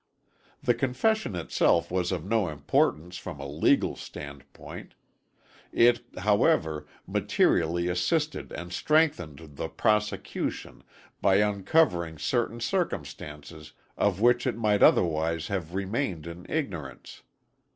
The confession itself was of no importance from a legal standpoint. It, however, materially assisted and strengthened the prosecution by uncovering certain circumstances of which it might otherwise have remained in ignorance.